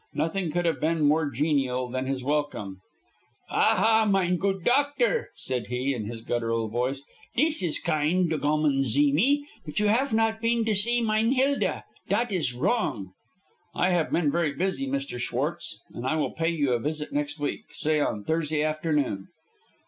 Nothing could have been more genial than his welcome. "Aha, mine goot doctor," said he, in his guttural voice, "dis is kind to gome and zee me. But you haf not peen to zee mine Hilda. Dat is wrong." "I have been very busy, Mr. Schwartz, but I will pay you a visit next week say on Thursday afternoon."